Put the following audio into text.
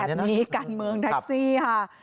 อะไรแบบนี้การเมืองแท็กซี่ค่ะ